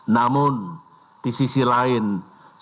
namun di sisi lainnya